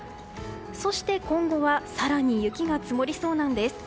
そして、今後は更に雪が積もりそうなんです。